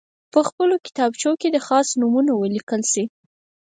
په خپلو کتابچو کې دې خاص نومونه ولیکل شي.